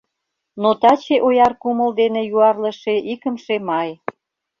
Но таче ояр кумыл дене юарлыше Икымше Май.